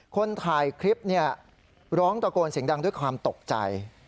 คนถ่ายคลิปเนี่ยร้องตะโกนเสียงดังด้วยความตกใจ